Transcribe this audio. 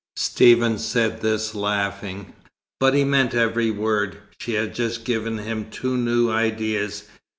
Stephen said this laughing; but he meant every word. She had just given him two new ideas.